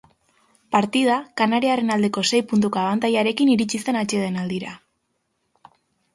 Partida kanariarren aldeko sei puntuko abantailarekin iritsi zen atsedenaldira.